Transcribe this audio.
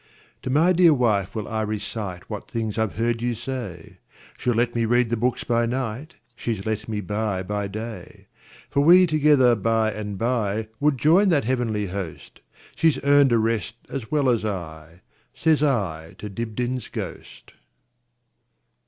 "To my dear wife will I reciteWhat things I 've heard you say; She 'll let me read the books by nightShe 's let me buy by day. For we together by and byWould join that heavenly host; She 's earned a rest as well as I,"Says I to Dibdin's ghost.